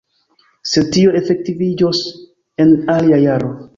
Sed tio efektiviĝos en alia jaro.